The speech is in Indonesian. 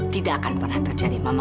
tidak akan pernah terjadi mama